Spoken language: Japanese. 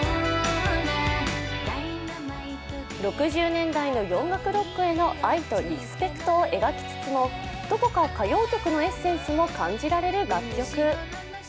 ６０年代の洋楽ロックへの愛とリスペクトを描きつつもどこか歌謡曲のエッセンスも感じられる楽曲。